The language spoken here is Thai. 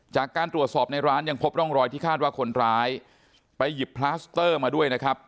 จากการตรวจสอบในร้านยังพบร่องรอยที่คาดว่าคนร้ายไปหยิบพลาสเตอร์มาด้วยนะครับ